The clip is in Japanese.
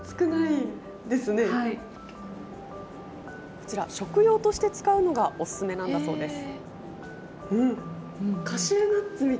こちら、食用として使うのがお勧めなんだそうです。